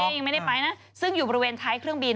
ยังไม่ได้ไปนะซึ่งอยู่บริเวณท้ายเครื่องบิน